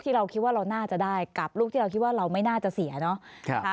เราคิดว่าเราน่าจะได้กับลูกที่เราคิดว่าเราไม่น่าจะเสียเนาะ